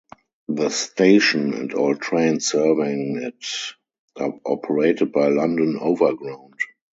The station and all trains serving it are operated by London Overground.